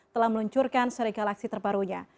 telah meluncurkan seri galaksi terbarunya